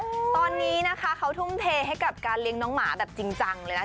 ตอนนี้นะคะเขาทุ่มเทให้กับการเลี้ยงน้องหมาแบบจริงจังเลยนะ